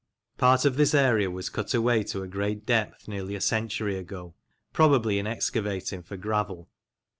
Part of this area was cut away to a great depth nearly a century ago, probably in excavating for gravel.